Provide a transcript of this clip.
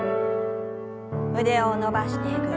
腕を伸ばしてぐるっと。